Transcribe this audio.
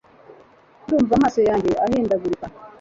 ndumva amaso yanjye ahindagurika